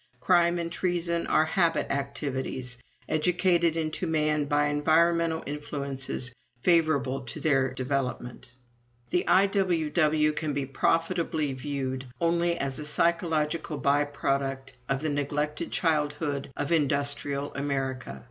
Crime and treason are habit activities, educated into man by environmental influences favorable to their development. ... "The I.W.W. can be profitably viewed only as a psychological by product of the neglected childhood of industrial America.